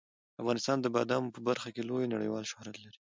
افغانستان د بادامو په برخه کې لوی نړیوال شهرت لري.